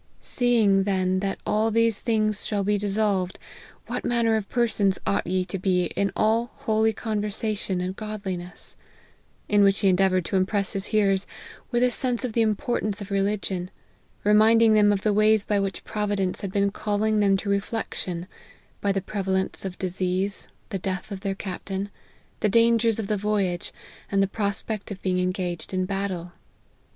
"Seeing then that all these things shall be dissolved, what man ner of persons ought ye to be in all holy conversa tion and godliness :" in which he endeavoured to impress his hearers with a sense of the importance LIFE OF HENRY MARTYN. 63 of religion, reminding them of the ways by which Providence had been calling them to reflection, by the prevalence of disease, the death of their captain, the dangers of the voyage, and the prospect of being engaged in battle.